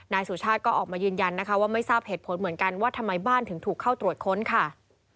นายสุชาติก็ออกมายืนยันนะคะว่าไม่ทราบเหตุผลเหมือนกันว่าทำไมบ้านถึงถูกเข้าตรวจค้นค่ะ